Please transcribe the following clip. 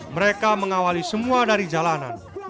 mereka mengawali semua dari jalanan